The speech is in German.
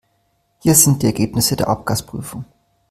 Hier sind die Ergebnisse der Abgasprüfung.